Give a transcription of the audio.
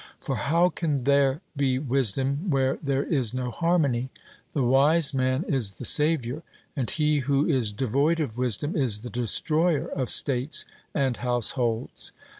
For how can there be wisdom where there is no harmony? the wise man is the saviour, and he who is devoid of wisdom is the destroyer of states and households.